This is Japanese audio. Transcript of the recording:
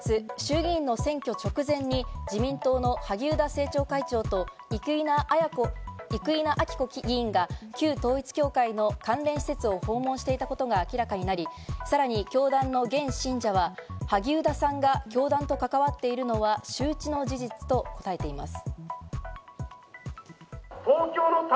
新たに今年６月、衆議院の選挙直前に自民党の萩生田政調会長と生稲晃子議員が、旧統一教会の関連施設を訪問していたことが明らかになり、さらに教団の現信者は萩生田さんが教団と関わっているのは、周知の事実と答えています。